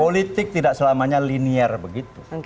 politik tidak selamanya linear begitu